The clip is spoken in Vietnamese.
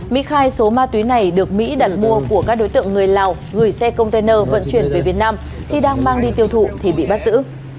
mỹ khai số ma túy này được mỹ đặt mua của các đối tượng người lào gửi xe container vận chuyển về việt nam khi đang mang đi tiêu thụ thì bị bắt giữ